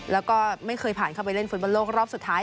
แล้วก็ไม่เคยผ่านเข้าไปเล่นฟุตบอลโลกรอบสุดท้าย